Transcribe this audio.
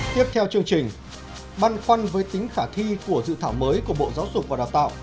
tiếp theo chương trình băn khoăn với tính khả thi của dự thảo mới của bộ giáo dục và đào tạo